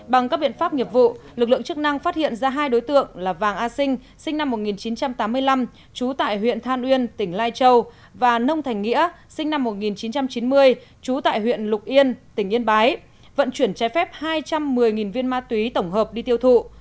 bằng các biện pháp nghiệp vụ lực lượng chức năng phát hiện ra hai đối tượng là vàng a sinh sinh năm một nghìn chín trăm tám mươi năm trú tại huyện than uyên tỉnh lai châu và nông thành nghĩa sinh năm một nghìn chín trăm chín mươi trú tại huyện lục yên tỉnh yên bái vận chuyển trái phép hai trăm một mươi viên ma túy tổng hợp đi tiêu thụ